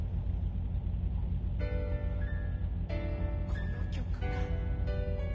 このきょくか！